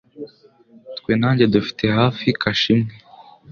Twe na njye dufite hafi kashe imwe.